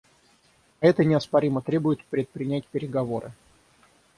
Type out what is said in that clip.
А это неоспоримо требует предпринять переговоры.